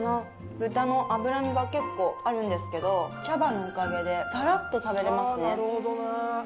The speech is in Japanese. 豚の脂身が結構あるんですけど、茶葉のおかげでサラッと食べられますね。